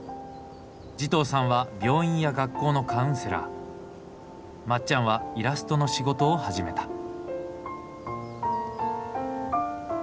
慈瞳さんは病院や学校のカウンセラーまっちゃんはイラストの仕事を始めた。